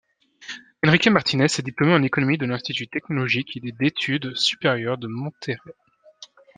Enrique Martínez est diplômé en économie de l'Institut Technologique et d'Études Supérieures de Monterrey.